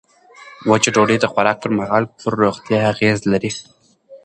وچه ډوډۍ د خوراک پر مهال پر روغتیا اغېز لري.